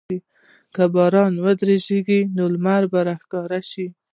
که باران ودریږي، نو لمر به راښکاره شي.